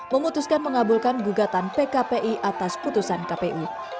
memutuskan mengabulkan gugatan pkpi atas putusan kpu